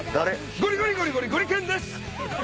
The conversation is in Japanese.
ゴリゴリゴリゴリゴリけんです！